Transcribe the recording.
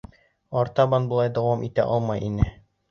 Артабан былай дауам итә алмай ине.